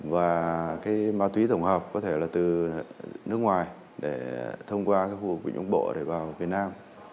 và cái ma túy tổng hợp có thể là từ nước ngoài để thông qua khu vực bộ để vào việt nam